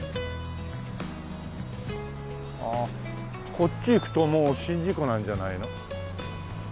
こっち行くともう宍道湖なんじゃないの？